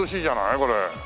これ。